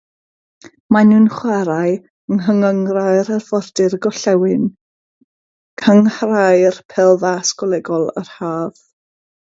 Maen nhw'n chwarae yng Nghynghrair Arfordir y Gorllewin, cynghrair pêl-fas golegol yr haf.